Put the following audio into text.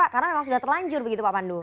karena memang sudah terlanjur pak pandu